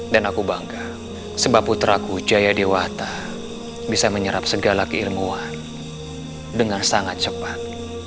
dan aku bangga sebab puteraku jaya dewata bisa menyerap segala keilmuan dengan sangat cepat